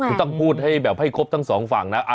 คือต้องพูดให้แบบให้ครบทั้งสองฝั่งนะ